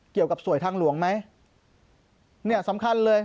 เกี่ยวกับสวยทางหลวงไหมเนี่ยสำคัญเลย